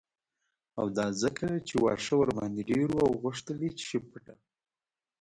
او دا ځکه چې واښه ورباندې ډیر و او غوښتل یې چې شي پټه